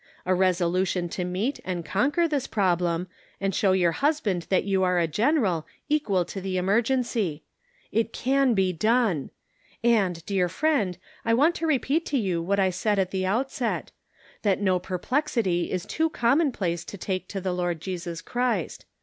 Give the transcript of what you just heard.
A resolution to meet and conquer this problem, and show your hus band that you are a general — equal to the emergency. It can be done. And dear friend, I want to repeat to you what I said at the outset : that no perplexity is too commonplace to take to the Lord Jesus Christ.